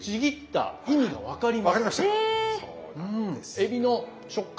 えびの食感